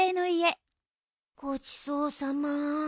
ごちそうさま。